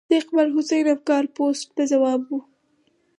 د اقبال حسین افګار پوسټ ته ځواب و.